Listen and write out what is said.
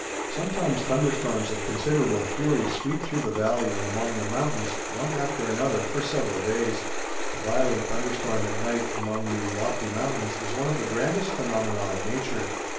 Sometimes thunder storms of considerable fury sweep through the valley and among the mountains, one after another for several days. A violent thunder storm at night among these lofty mountains is one of the grandest phenomena of nature.